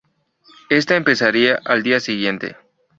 Esta empezaría al día siguiente.